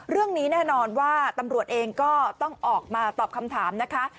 เรื่องนี้แน่นอนว่าตำรวจเองก็ต้องออกมาตอบคำถามนะคะ